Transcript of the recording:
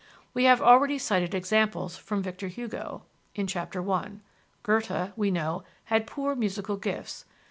We have already cited examples from Victor Hugo (ch. I); Goethe, we know, had poor musical gifts.